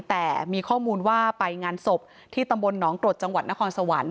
แต่มีข้อมูลว่าไปงานศพที่ตำบลหนองกรดจังหวัดนครสวรรค์